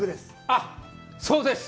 あっ、そうです！